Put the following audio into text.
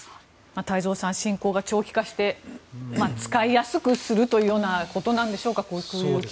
太蔵さん侵攻が長期化して使いやすくするというようなことなんでしょうか。